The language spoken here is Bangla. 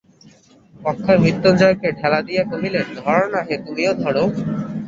অক্ষয় মৃত্যুঞ্জয়কে ঠেলা দিয়া কহিলেন, ধরো না হে, তুমিও ধরো!